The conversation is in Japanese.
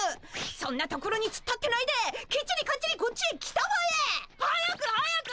そんなところにつっ立ってないできっちりかっちりこっちへ来たまえ！早く早く！